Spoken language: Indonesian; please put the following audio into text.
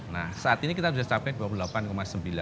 nah saat ini kita sudah capai dua puluh delapan sembilan